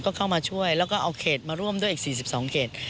ก็เข้ามาช่วยแล้วก็เอาเขตมาร่วมด้วยอีก๔๒เขต